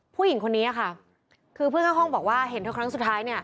ผู้หญิงคนนี้ค่ะคือเพื่อนข้างห้องบอกว่าเห็นเธอครั้งสุดท้ายเนี่ย